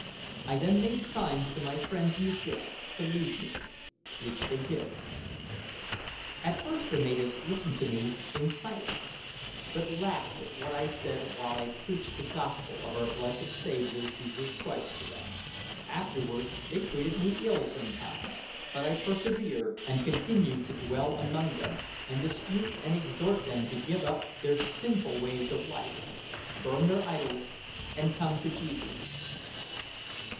I then made signs to my friends in the ship to leave me, which they did. At first the natives listened to me in silence, but laughed at what I said while I preached the Gospel of our blessed Saviour Jesus Christ to them. Afterwards they treated me ill, sometimes; but I persevered, and continued to dwell among them, and dispute, and exhort them to give up their sinful ways of life, burn their idols, and come to Jesus.